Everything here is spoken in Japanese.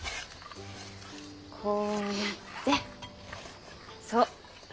こうやってそう。